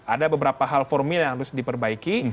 ada beberapa hal formil yang harus diperbaiki